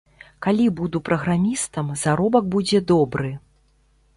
Калі буду праграмістам, заробак будзе добры.